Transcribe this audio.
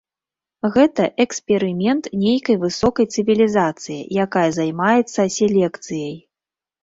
Гэта эксперымент нейкай высокай цывілізацыі, якая займаецца селекцыяй.